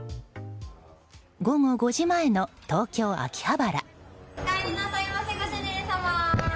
午後５時前の東京・秋葉原。